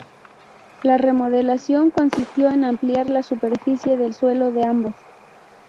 La remodelación consistió en ampliar la superficie del suelo de ambos.